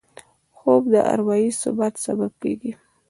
خوب د اروايي ثبات سبب کېږي